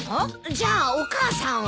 じゃあお母さんは？